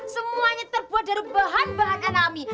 semuanya terbuat dari bahan bahan alami